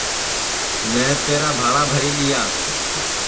میں تیرا بھاڑا بھری دؔیا